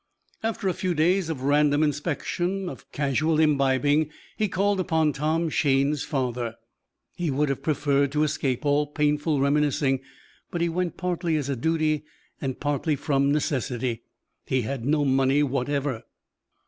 After a few days of random inspection, of casual imbibing, he called upon Tom Shayne's father. He would have preferred to escape all painful reminiscing, but he went partly as a duty and partly from necessity: he had no money whatever.